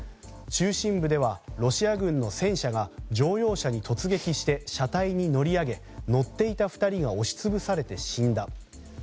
中心部ではロシア軍の戦車が乗用車に突撃して車体に乗り上げ乗っていた２人が押し潰されて死んだ。